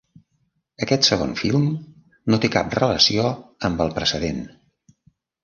Aquest segon film no té cap relació amb el precedent.